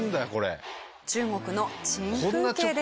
中国の珍風景でした。